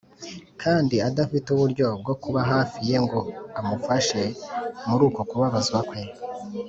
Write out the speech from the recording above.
kandi adafite uburyo bwo kuba hafi ye ngo amufashe muri uko kubabazwa kwe?